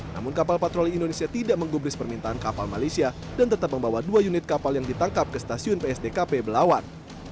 namun kapal patroli indonesia tidak menggubris permintaan kapal malaysia dan tetap membawa dua unit kapal yang ditangkap ke stasiun psdkp belawan